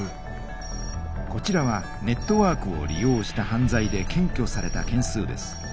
こちらはネットワークを利用した犯罪で検挙された件数です。